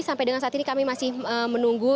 sampai dengan saat ini kami masih menunggu